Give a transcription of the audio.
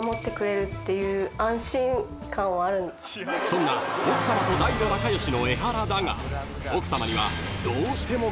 ［そんな奥さまと大の仲良しのエハラだが奥さまにはどうしても］